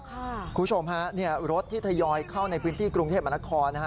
คุณผู้ชมฮะรถที่ทยอยเข้าในพื้นที่กรุงเทพมนครนะฮะ